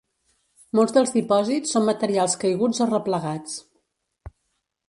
Molts dels dipòsits són materials caiguts o replegats.